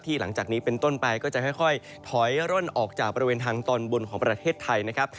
หลังจากนี้เป็นต้นไปก็จะค่อยถอยร่นออกจากบริเวณทางตอนบนของประเทศไทยนะครับ